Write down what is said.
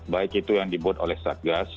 baik itu yang dibuat oleh satgas